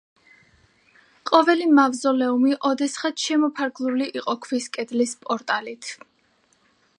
ყოველი მავზოლეუმი ოდესღაც შემოფარგლული იყო ქვის კედლის პორტალით.